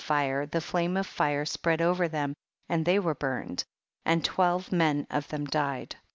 fire, the flame of the fire spread over them, and they were burned ; and twelve men of them died. 27.